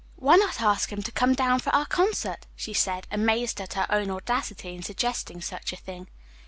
"Why not ask him to come down for our concert?" she said, amazed at her own audacity in suggesting such a thing.